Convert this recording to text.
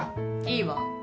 いいわ。